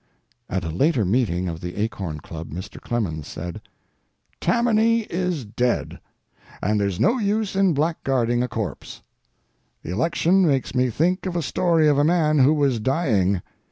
At a later meeting of the Acorn Club, Mr. Clemens said: Tammany is dead, and there's no use in blackguarding a corpse. The election makes me think of a story of a man who was dying.